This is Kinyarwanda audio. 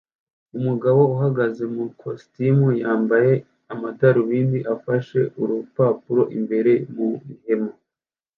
Umugabo uhagaze mu ikositimu yambaye amadarubindi afashe urupapuro imbere mu ihema